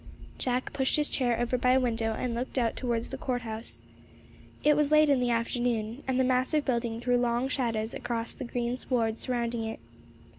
Jack pushed his chair over by a window, and looked out towards the court house. It was late in the afternoon, and the massive building threw long shadows across the green sward surrounding it.